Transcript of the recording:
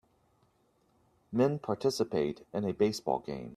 Men participate in a baseball game.